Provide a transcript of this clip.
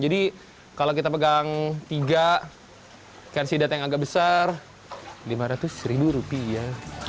jadi kalau kita pegang tiga ikan sidap yang agak besar lima ratus ribu rupiah